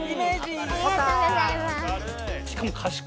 ありがとうございます。